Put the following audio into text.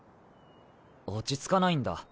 落ち着かないんだ。